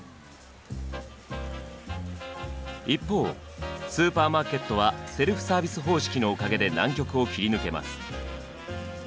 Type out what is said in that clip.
一方スーパーマーケットはセルフサービス方式のおかげで難局を切り抜けます。